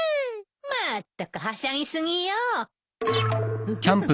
まったくはしゃぎ過ぎよ。